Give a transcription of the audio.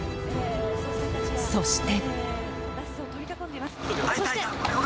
そして。